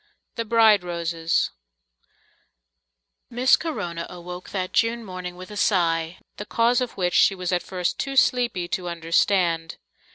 The Bride Roses Miss Corona awoke that June morning with a sigh, the cause of which she was at first too sleepy to understand.